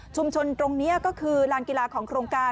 ตรงนี้ก็คือลานกีฬาของโครงการ